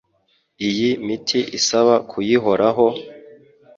Iyi miti isaba kuyihoraho ,